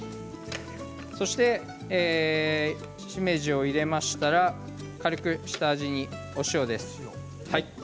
そして、しめじを入れましたら軽く下味に、お塩です。